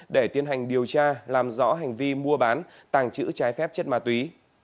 để tiến hành điều tra làm rõ hành vi mua bán tàng trữ trái phép chất ma túy